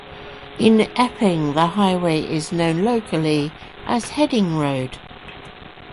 In Epping, the highway is known locally as Hedding Road.